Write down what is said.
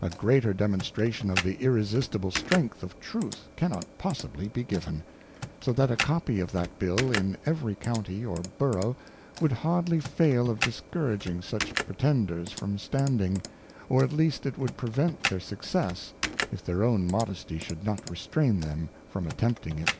A greater Demonstration of the irresistible strength of Truth cannot possibly be given ; so that a Copy of that Bill in every County or Burrough, would hardly fail of discouraging such Pretenders from Standing, or at least it would prevent their Success if their own Modesty should not restrain them from attempting it.